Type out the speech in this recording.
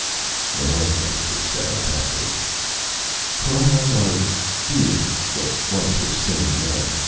The Health Minister said unhappily: "Paras are ... beings that once were sane men.